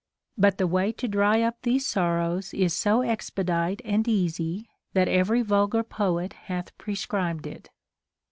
But the way to dry up these sorrows is so expedite and easy, that every vulgar poet hath prescribed it.